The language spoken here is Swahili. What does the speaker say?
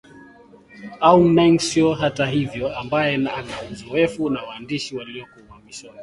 Aung Naing Soe hata hivyo ambaye ana uzoefu na waandishi walioko uhamishoni